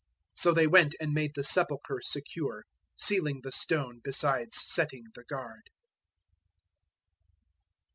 027:066 So they went and made the sepulchre secure, sealing the stone besides setting the guard.